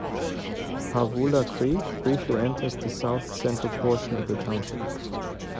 Paavola Creek briefly enters the south-central portion of the township.